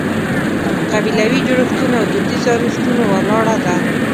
په قبیلوي جوړښتونو او دودیزو ارزښتونو ولاړه ده.